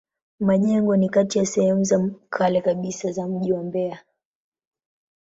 Majengo ni kati ya sehemu za kale kabisa za mji wa Mbeya.